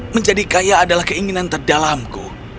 menjadi kaya adalah keinginan terdalamku